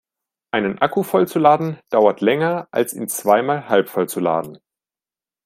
Einen Akku voll zu laden dauert länger als ihn zweimal halbvoll zu laden.